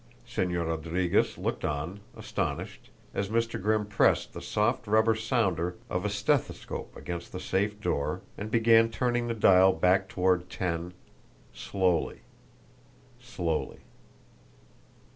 Señor Rodriguez looked on, astonished, as Mr. Grimm pressed the soft rubber sounder of a stethoscope against the safe door and began turning the dial back toward ten, slowly, slowly.